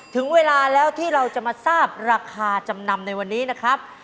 ถึงเวลาแล้วที่เราจะมาทราบราคาจำนำในวันนี้นะครับ